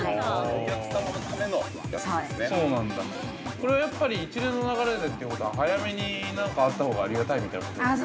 ◆これは、やっぱり一連の流れでということは早めに何かあったほうがありがたいみたいなことですか。